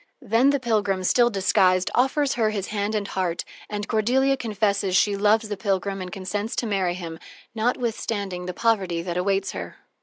Then the pilgrim, still disguised, offers her his hand and heart and Cordelia confesses she loves the pilgrim and consents to marry him, notwithstanding the poverty that awaits her.